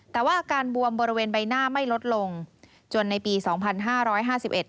แต่ว่าอาการบวมบริเวณใบหน้าไม่ลดลงจนในปีสองพันห้าร้อยห้าสิบเอ็ด